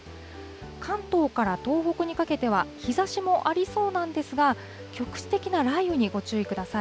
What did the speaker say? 関東から東北にかけては、日ざしもありそうなんですが、局地的な雷雨にご注意ください。